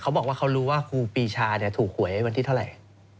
เขาบอกว่าเขารู้ว่าครูปีชาถูกหวยวันที่เท่าไหร่